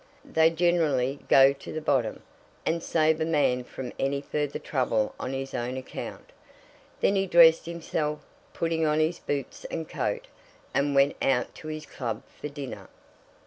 "They generally go to the bottom, and save a man from any further trouble on his own account." Then he dressed himself, putting on his boots and coat, and went out to his club for his dinner.